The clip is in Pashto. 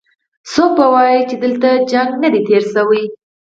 څوک به وايې چې دلته جګړه نه ده تېره شوې.